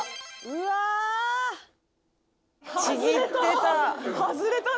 「うわー！」ちぎってた。